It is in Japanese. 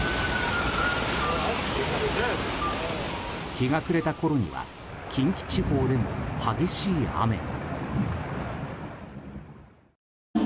日が暮れたころには近畿地方でも激しい雨が。